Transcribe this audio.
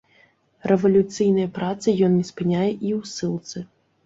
Рэвалюцыйнай працы ён не спыняе і ў ссылцы.